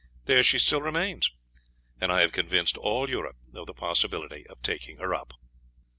There she still remains, and I have convinced all Europe of the possibility of taking her up.